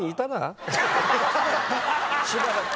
しばらく。